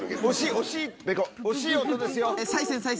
惜しい音ですよ。